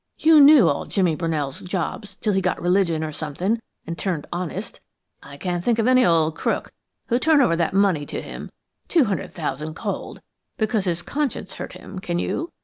You knew all Jimmy Brunell's jobs till he got religion or somethin', and turned honest I can't think of any old crook who'd turn over that money to him, two hundred thousand cold, because his conscience hurt him, can you?